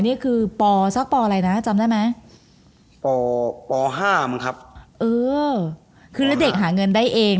นี้คือป่อซักป่ออะไรนะจำได้ไหมป่อป่อห้ามันครับคือเด็กหาเงินได้เอง